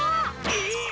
えっ！？